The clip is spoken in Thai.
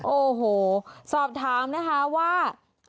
โอ้โหสอบถามนะคะว่า